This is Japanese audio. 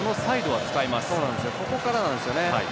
ここからなんですよね。